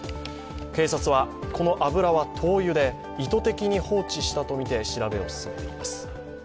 警察はこの油は灯油で、意図的に放置したとみて調べています。